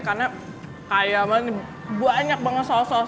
karena kayak banget banyak banget sausnya ini